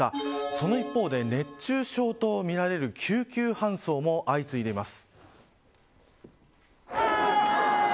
その一方で、熱中症とみられる救急搬送も相次いでいます。